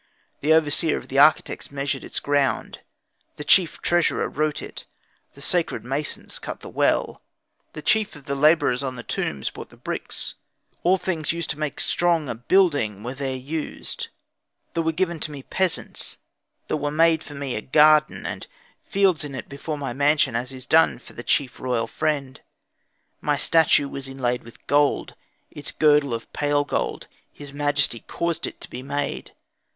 The overseer of the architects measured its ground; the chief treasurer wrote it; the sacred masons cut the well; the chief of the labourers on the tombs brought the bricks; all things used to make strong a building were there used. There were given to me peasants; there were made for me a garden, and fields in it before my mansion, as is done for the chief royal friend. My statue was inlayed with gold, its girdle of pale gold; his majesty caused it to be made.